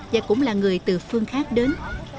và cũng là người từ phương khác đến